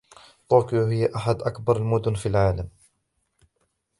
طوكيو هي إحدى أكبر المدن في العالم.